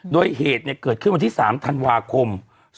โดยเหตุเกิดขึ้นวันที่๓ธันวาคม๒๕๖